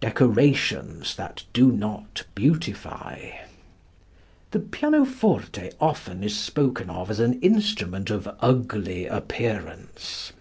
Decorations That Do Not Beautify. The pianoforte often is spoken of as an instrument of ugly appearance.